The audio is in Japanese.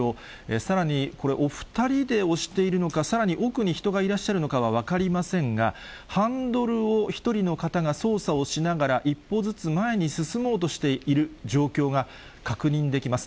さらにこれ、お２人で押しているのか、さらに奥に人がいらっしゃるのか分かりませんが、ハンドルを１人の方が操作をしながら一歩ずつ前に進もうとしている状況が確認できます。